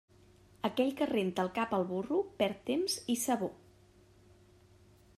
Aquell que renta el cap al burro perd temps i sabó.